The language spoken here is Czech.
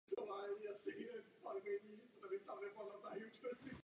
Od té doby se mírně posunula a nyní je v souhvězdí Panny.